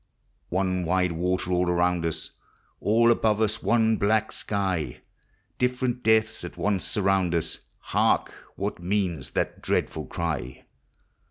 One wide water all around us, All above us one black sky ; Different deaths at once surround us: Hark! what moans that dreadful cry?